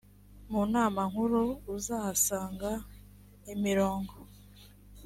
mu nama nkuru uzahasanga imirongo